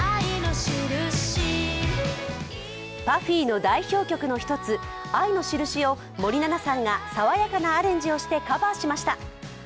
ＰＵＦＦＹの代表曲の一つ、「愛のしるし」を森七菜さんがさわやかなアレンジをしてカバーしました。